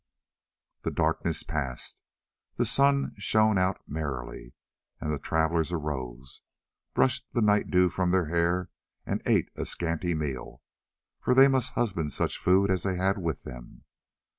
The darkness passed, the sun shone out merrily, and the travellers arose, brushed the night dew from their hair, and ate a scanty meal, for they must husband such food as they had with them.